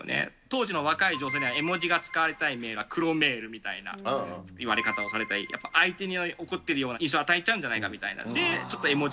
当時の若い女性には、絵文字が使われてないメールは黒メールみたいな言われ方をされたり、やっぱり、相手に怒ってる印象を与えちゃうんじゃないかって。